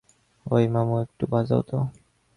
ওই মামু, একটু বাজাও তো?